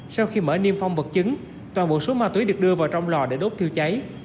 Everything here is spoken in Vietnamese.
sau khi mở niêm phong vật chứng toàn bộ số ma túy được đưa vào trong lò để đốt thiêu cháy